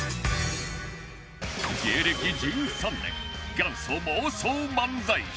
芸歴１３年元祖妄想漫才師